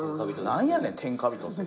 何やねん天下人って。